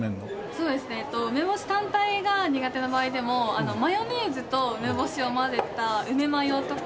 そうですね梅干し単体が苦手な場合でもマヨネーズと梅干しを混ぜた梅マヨとか。